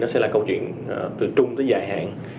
sẽ là câu chuyện từ trung tới dài hạn